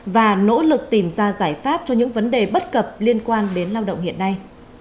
và nỗ lực tìm ra giải pháp cho những vấn đề bất cập liên quan đến lao động hiện nay